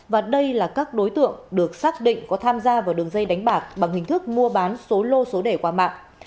và đây là các đối tượng được xác định có tham gia vào đường dây đánh bạc bằng hình thức mua bán số lô số đề qua mạng